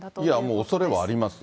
おそれはありますよ。